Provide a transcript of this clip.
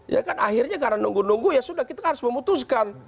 ya kan akhirnya karena nunggu nunggu ya sudah kita harus memutuskan